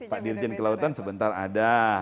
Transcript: pak dirjen kelautan sebentar ada